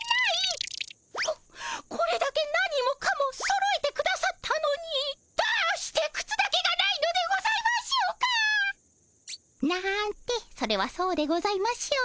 ここれだけ何もかもそろえてくださったのにどうしてくつだけがないのでございましょうか？なんてそれはそうでございましょう。